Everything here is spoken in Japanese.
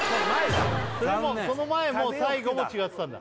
残念その前も最後も違ってたんだ